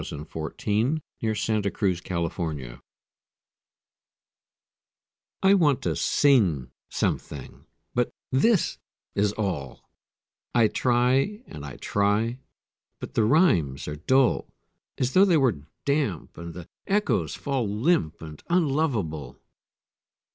A SCRAWL I want to sing something but this is all I try and I try, but the rhymes are dull As though they were damp, and the echoes fall Limp and unlovable.